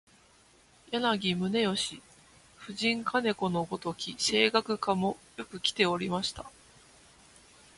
柳宗悦、夫人兼子のごとき声楽家もよくきておりました